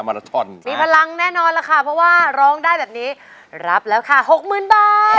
มัลโทนมีพลังแน่นอนแล้วค่ะเพราะว่าร้องได้แบบนี้รับแล้วค่ะ๖๐๐๐๐บาท